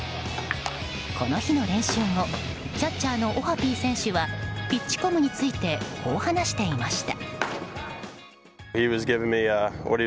この日の練習もキャッチャーのオハピー選手はピッチコムについてこう話していました。